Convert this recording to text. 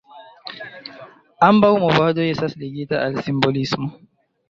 Ambaŭ movadoj estas ligita al simbolismo.